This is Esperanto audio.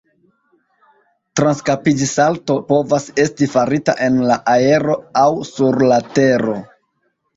Transkapiĝsalto povas esti farita en la aero aŭ sur la tero.